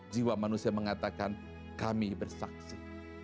jiwa manusia mengatakan kami bersaksi